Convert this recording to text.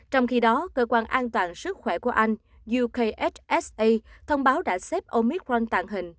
trong khi đó cơ quan an toàn sức khỏe của anh thông báo đã xếp omicron tàng hình